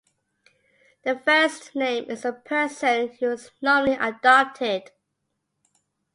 The first name is the person who was nominally adopted.